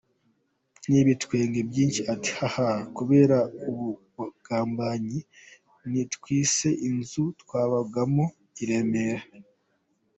N’ibitwenge byinshi ati “hahahaha…kubera ubukubaganyi natwitse inzu twabagamo i Remera.